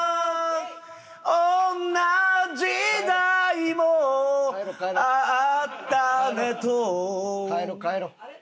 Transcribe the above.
「あんな時代もあったねと」帰ろう帰ろう。